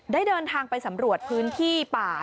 ได้เดินทางไปสำรวจพื้นที่ป่า